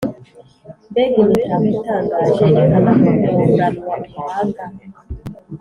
Mbega imitako itangaje ikanakoranwa ubuhanga,